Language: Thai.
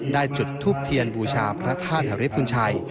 ได้จุดทูปเทียนบูชาพระท่านธรรมพุทธชัย